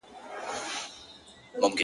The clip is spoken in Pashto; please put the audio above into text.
لکه باران را اورېدلې پاتېدلې به نه ,